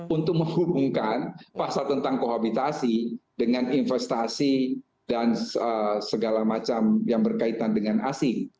untuk menghubungkan pasal tentang kohabitasi dengan investasi dan segala macam yang berkaitan dengan asing